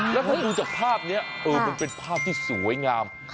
แล้วถ้าดูจากภาพนี้มันเป็นภาพที่สวยงาม